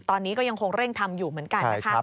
ตอนนี้ก็ยังคงเร่งทำอยู่เหมือนกันนะคะ